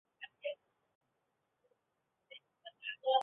毛瓣黄花木为豆科黄花木属尼泊尔黄花木下的一个变型。